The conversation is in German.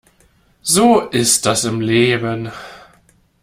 So ist das im Leben.